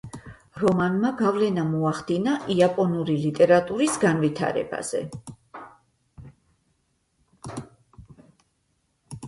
რომანმა გავლენა მოახდინა იაპონური ლიტერატურის განვითარებაზე.